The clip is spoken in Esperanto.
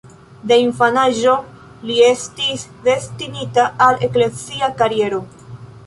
De infanaĝo li estis destinita al eklezia kariero.